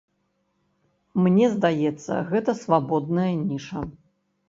Мне здаецца, гэта свабодная ніша.